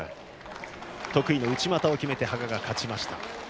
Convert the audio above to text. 得意の内股を決めて羽賀が勝ちました。